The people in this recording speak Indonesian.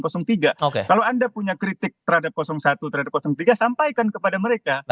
kalau anda punya kritik terhadap satu terhadap tiga sampaikan kepada mereka